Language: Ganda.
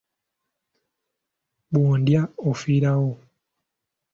Bw’ondya ofiirawo.